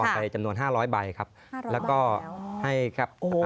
สนุนโดยอีซุสุข